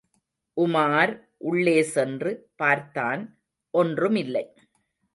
உமார் உள்ளே சென்று பார்த்தான், ஒன்றுமில்லை.